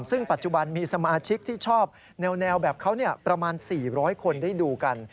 ซึ่งปัจจุบันมีสมาชิกที่ชอบแนวแบบเขาประมาณ๔๐๐คนได้ดูกัน